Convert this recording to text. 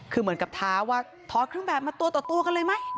คือเหมือนกับท้าว่าถอดเครื่องแบบมาตัวต่อตัวกันเลยไหม